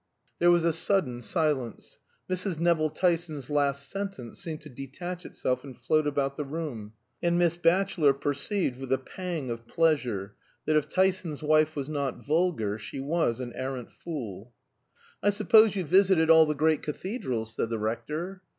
There was a sudden silence. Mrs. Nevill Tyson's last sentence seemed to detach itself and float about the room, and Miss Batchelor perceived with a pang of pleasure that if Tyson's wife was not vulgar she was an arrant fool. "I suppose you visited all the great cathedrals?" said the Rector.